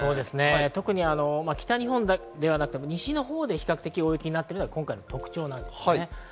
特に西のほうで比較的大雪になっているのが今回の特徴です。